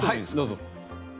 どうぞ。